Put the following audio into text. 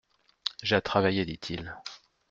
J'ai à travailler, dit-il.